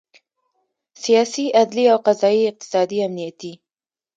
سیاسي، عدلي او قضایي، اقتصادي، امنیتي